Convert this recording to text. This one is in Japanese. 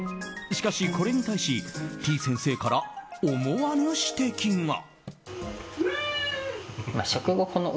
しかし、これに対してぃ先生から思わぬ指摘が。